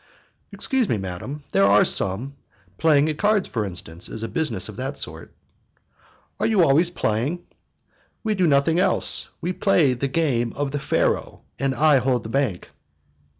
"Excuse me, madam, there are some: playing at cards, for instance, is a business of that sort." "Are you always playing?" "We do nothing else. We play the game of the Pharaoh (faro), and I hold the bank."